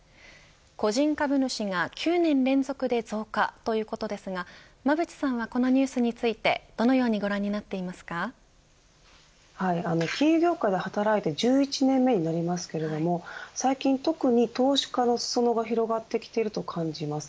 個人株主が９年連続で増加ということですが馬渕さんはこのニュースについてどのように金融業界で働いて１１年目になりますが最近特に投資家の裾野が広がってきていると感じます。